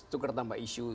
tukar tambah isu